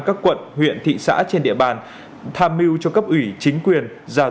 các quận huyện thị xã trên địa bàn tham mưu cho cấp ủy chính quyền giả